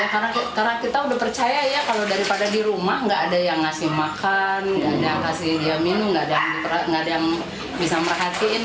karena kita udah percaya ya kalau daripada di rumah nggak ada yang ngasih makan nggak ada yang kasih minum nggak ada yang bisa merahatiin